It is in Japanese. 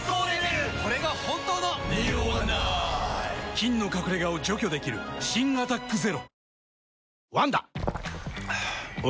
菌の隠れ家を除去できる新「アタックＺＥＲＯ」え？